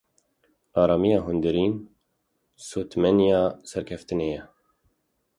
Aramiya hundirîn, sotemeniya serkeftinê ye.